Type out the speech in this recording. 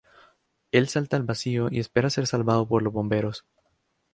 Él salta al vacío y espera ser salvado por los bomberos.